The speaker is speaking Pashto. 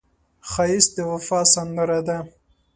ښایست د وفا سندره ده